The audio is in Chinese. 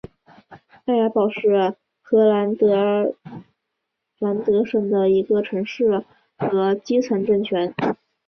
埃尔堡是荷兰海尔德兰省的一个城市和基层政权。